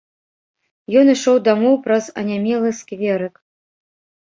Ён ішоў дамоў праз анямелы скверык.